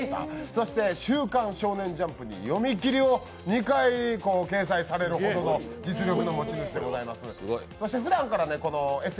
そして「週刊少年ジャンプ」に読み切りを２回掲載されるほどの実力の持ち主でございます。